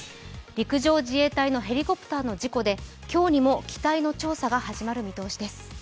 陸上自衛隊のヘリコプターの事故で今日にも機体の調査が始まる見通しです。